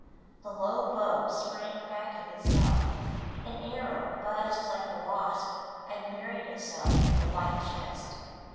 The long bow sprang back of itself; an arrow buzzed like a wasp and buried itself deep in the white chest.